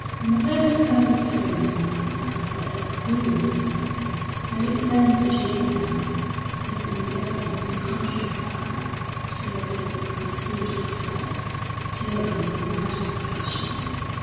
In a very self restrained man love works ruinously; and it burnt James now, this invisible, unconscious fire, till he was consumed utterly till he was mad with passion.